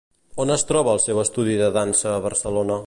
On es troba el seu estudi de dansa a Barcelona?